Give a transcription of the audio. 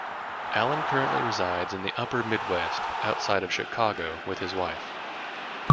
Allen currently resides in the upper midwest, outside of Chicago, with his wife.